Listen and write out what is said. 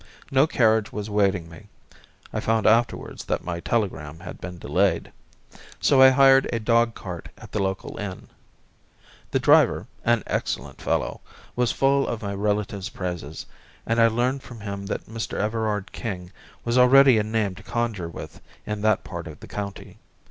No carriage was awaiting me (I found afterwards that my telegram had been delayed), so I hired a dogcart at the local inn. The driver, an excellent fellow, was full of my relative's praises, and I learned from him that Mr. Everard King was already a name to conjure with in that part of the county.